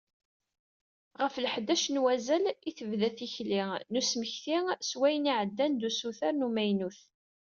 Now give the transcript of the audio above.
Ɣef leḥdac n uzal, i tebda tikli-a n usmekti s wayen iɛeddan d usuter n umaynut.